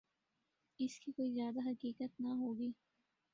اس کی کوئی زیادہ حقیقت نہ ہو گی۔